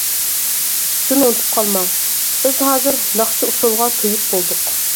شۇنى ئۇنتۇپ قالماڭ بىز ھازىر ناخشا ئۇسسۇلغا تويۇپ بولدۇق.